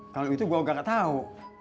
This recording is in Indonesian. kalo itu gue gak ketau